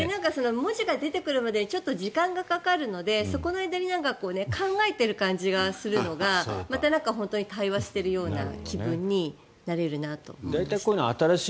文字が出てくるまでにちょっと時間がかかるのでそこの間に考えている感じがするのがまた本当に対話しているような気分になれるなと思いました。